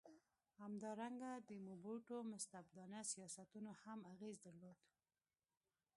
همدارنګه د موبوټو مستبدانه سیاستونو هم اغېز درلود.